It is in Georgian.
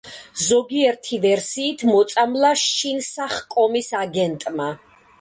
ზოგიერთი ვერსიით მოწამლა შინსახკომის აგენტმა.